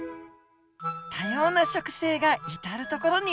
多様な植生が至る所にある。